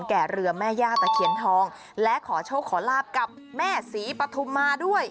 แก่เรือแม่ย่าตะเคียนทองและขอโชคขอลาบกับแม่ศรีปฐุมมาด้วย